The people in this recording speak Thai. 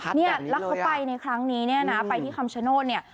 รับเข้าไปในครั้งนี้นะไปที่คำชโชน์โน่นเนี่ย